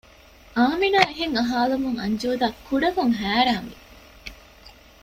އާމިނާ އެހެން އަހާލުމުން އަންޖޫދާ ކުޑަކޮށް ހައިރާންވި